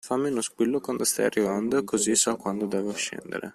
Fammi uno squillo quando stai arrivando, così so quando devo scendere.